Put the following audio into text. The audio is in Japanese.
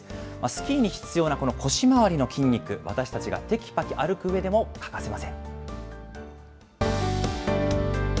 スキーに必要なこの腰回りの筋肉、私たちがてきぱき歩くうえでも欠かせません。